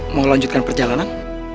mau lanjutkan perjalanan